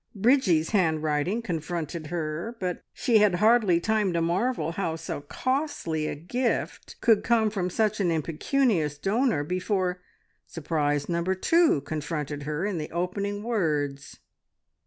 Bridgie's handwriting confronted her; but she had hardly time to marvel how so costly a gift could come from such an impecunious donor, before surprise number two confronted her in the opening words.